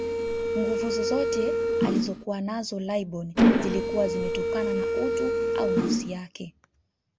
Nguvu zozote alizokuwa nazo laibon zilikuwa zimetokana na utu au nafsi yake